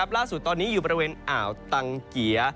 ล่าสุดตอนนี้อยู่บริเวณอ่าวตังเกีย